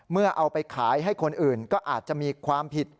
เอาไปขายให้คนอื่นก็อาจจะมีความผิด